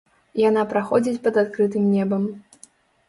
Яна праходзіць пад адкрытым небам.